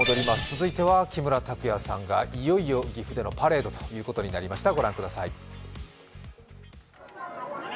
続いては木村拓哉さんがいよいよ岐阜でのパレードということになりました。